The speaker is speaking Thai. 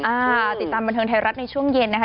อ่าติดตามบันเทิงไทยรัฐในช่วงเย็นนะคะ